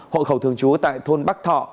hộ khẩu thường trú tại thôn bắc thọ